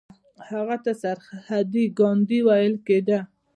هغه ته سرحدي ګاندي ویل کیده.